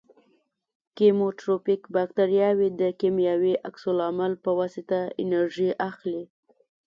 کیموټروفیک باکتریاوې د کیمیاوي عکس العمل په واسطه انرژي اخلي.